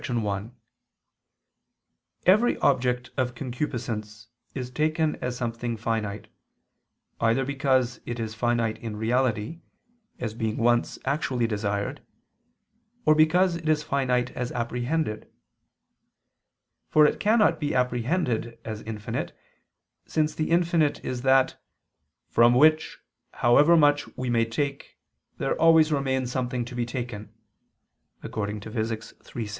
1: Every object of concupiscence is taken as something finite: either because it is finite in reality, as being once actually desired; or because it is finite as apprehended. For it cannot be apprehended as infinite, since the infinite is that "from which, however much we may take, there always remains something to be taken" (Phys. iii, 6).